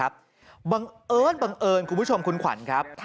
บังเอิญคุณผู้ชมคุณขวัญครับ